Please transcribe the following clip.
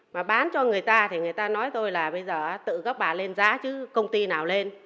mà bán cho người ta thì người ta nói tôi là bây giờ tự các bà lên giá chứ công ty nào lên